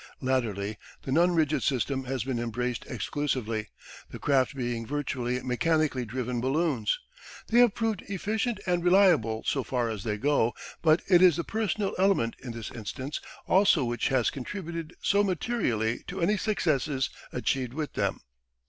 Latterly the non rigid system has been embraced exclusively, the craft being virtually mechanically driven balloons. They have proved efficient and reliable so far as they go, but it is the personal element in this instance also which has contributed so materially to any successes achieved with them.